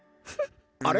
あれ？